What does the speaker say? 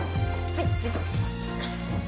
はい。